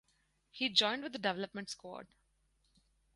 He joined with the development squad.